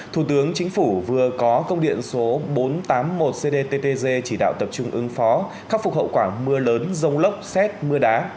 thủ tướng chính phủ vừa có công điện số bốn trăm tám mươi một cdttg chỉ đạo tập trung ứng phó khắc phục hậu quả mưa lớn rông lốc xét mưa đá